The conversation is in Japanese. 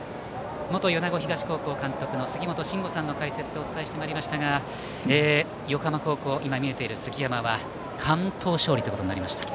元米子東高校監督の杉本真吾さんの解説でお伝えしてまいりましたが横浜高校、杉山は完投勝利となりました。